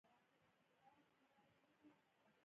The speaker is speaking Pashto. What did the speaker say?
پاڅېد او پر کټ کېناست، زنګون یې ښه عملیات کړی.